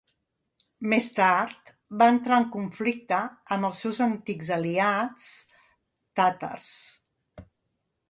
Més tard, va entrar en conflicte amb els seus antics aliats tàtars.